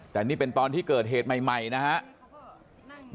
แต่นี่เป็นตอนที่เกิดเหตุใหม่นะครับ